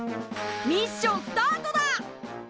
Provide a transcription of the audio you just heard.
ミッションスタートだ！